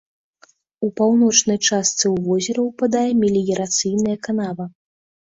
У паўночнай частцы ў возера ўпадае меліярацыйная канава.